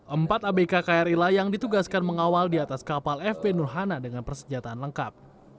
empat abk kri layang ditugaskan mengawal di atas kapal fp nurhana dengan persenjataan lengkap